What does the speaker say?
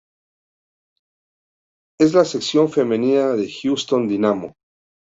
Es la sección femenina del Houston Dynamo.